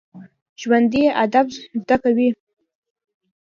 ژوندي ادب زده کوي